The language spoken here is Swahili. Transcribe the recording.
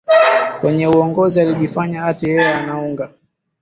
kwenye uongozi alijifanya ati yeye anaunga